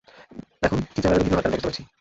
এখন কিচ্যানারের উদ্বিগ্ন হওয়ার কারণটা বুঝতে পারছি!